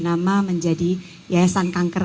nama menjadi yayasan kangker